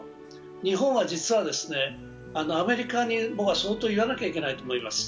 日本は実は、アメリカに相当、言わなきゃいけないと思います。